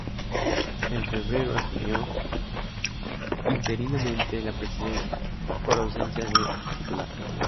En febrero asumió interinamente la presidencia por ausencia del titular.